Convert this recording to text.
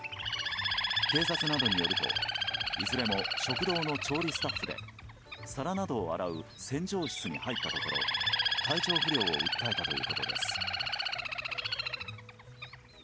警察などによるといずれも食堂の調理スタッフで皿などを洗う洗浄室に入ったところ体調不良を訴えたということです。